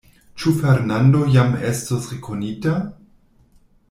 Ĉu Fernando jam estus rekonita?